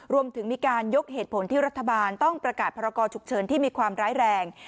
รวมถึงมีการยกเหตุผลที่รัฐบาลต้องประกาศพรกรฉุกเฉินที่มีความร้ายแรง